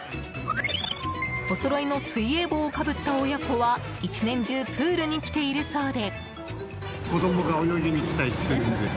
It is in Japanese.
おそろいの水泳帽をかぶった親子は１年中プールに来ているそうで。